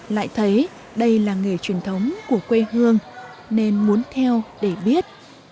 lại thấy đây là nghề truyền thống của quê hương nên muốn theo để biết